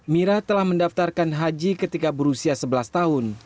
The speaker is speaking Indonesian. mira telah mendaftarkan haji ketika berusia sebelas tahun